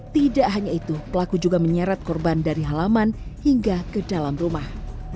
tidak hanya itu pelaku juga menyeret korban dari halaman hingga ke dalam rumah